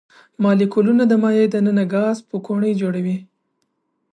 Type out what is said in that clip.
مالیکولونه د مایع د ننه ګاز پوکڼۍ جوړوي.